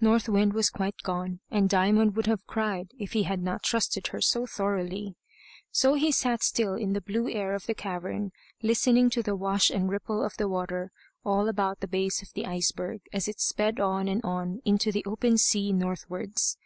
North Wind was quite gone; and Diamond would have cried, if he had not trusted her so thoroughly. So he sat still in the blue air of the cavern listening to the wash and ripple of the water all about the base of the iceberg, as it sped on and on into the open sea northwards.